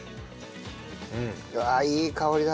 わあいい香りだ。